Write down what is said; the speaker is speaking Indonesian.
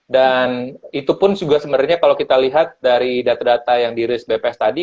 dan itu pun juga sebenarnya kalau kita lihat dari data data yang dirilis bps tadi